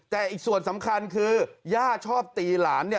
แต่อีกส่วนสำคัญคือย่าชอบตีหลานเนี่ย